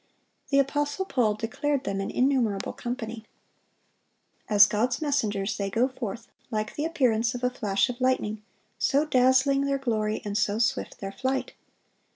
The apostle Paul declared them "an innumerable company."(901) As God's messengers they go forth, like "the appearance of a flash of lightning,"(902) so dazzling their glory, and so swift their flight.